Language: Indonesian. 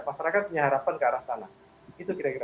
masyarakat punya harapan ke arah sana itu kira kira